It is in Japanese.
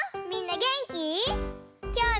みんなげんき？